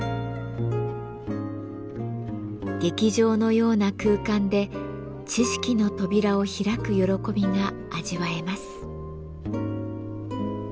劇場のような空間で知識の扉を開く喜びが味わえます。